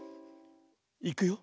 いくよ。